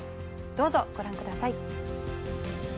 どうぞご覧下さい。